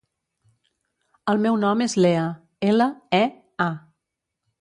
El meu nom és Lea: ela, e, a.